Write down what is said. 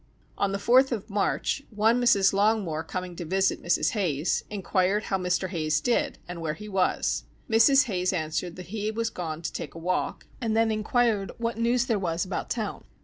On the fourth of March, one Mrs. Longmore coming to visit Mrs. Hayes, enquired how Mr. Hayes did, and where he was. Mrs. Hayes answered, that he was gone to take a walk, and then enquired what news there was about town.